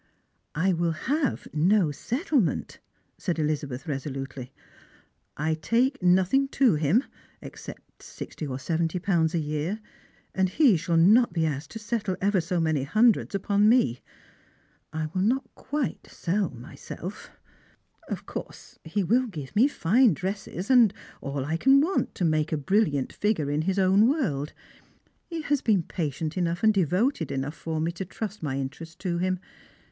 " I will have no settlement," said Elizabeth resolutely. " 1 take nothing to him, except sixty or seventy pounds a year, and he shall not be asfced to settle ever so many hundreds upon me. I will not quite sell myself. Of course, he will give me fine Strangero and Fili/rime. 2G1 dresses and all I can want to make a brilliant figure in Lis own world. He has been patient enough and devoted enough for me to trust my interests to him.